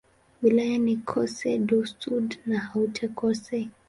Wilaya ni Corse-du-Sud na Haute-Corse.